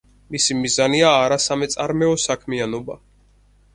მისი მიზანია არასამეწარმეო საქმიანობა.